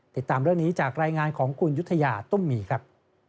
ติดตามเรื่องนี้จากรายงานของคุณยุธยาตุ้มมีครับ